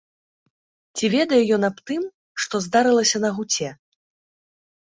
Ці ведае ён аб тым, што здарылася на гуце?